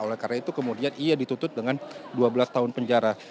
oleh karena itu kemudian ia dituntut dengan dua belas tahun penjara